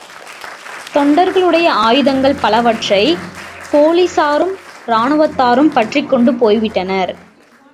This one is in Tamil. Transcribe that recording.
தொண்டர்களுடைய ஆயுதங்கள் பலவற்றைப் போலிஸாரும் ராணுவத்தாரும் பறித்துக் கொண்டு போய்விட்டனர்.